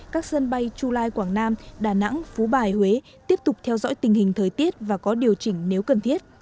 các sân bay chu lai quảng nam đà nẵng phú bài huế tiếp tục theo dõi tình hình thời tiết và có điều chỉnh nếu cần thiết